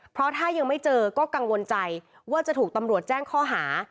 เพราะถ้ายังไม่เจอก็กังวลใจว่าจะถูกตำรวจแจ้งข้อหา